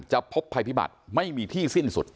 พบภัยพิบัติไม่มีที่สิ้นสุด